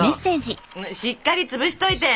「しっかりつぶしといて！！」。